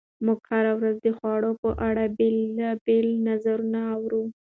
موږ هره ورځ د خوړو په اړه بېلابېل نظرونه اورو.